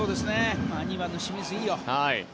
２番の清水、いいよ。